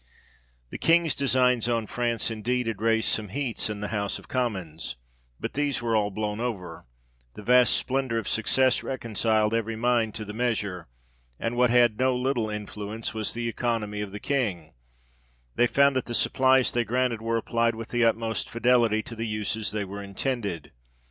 The King's designs on France, indeed, had raised some heats in the House of Commons, but these were all blown over : the vast splendor of success reconciled every mind to the measure ; and what had no little influence was, the oeconomy of the King ; they found, that the supplies they granted were applied with the utmost fidelity to the uses they were intended.